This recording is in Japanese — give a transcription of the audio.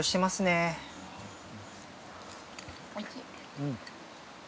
うん。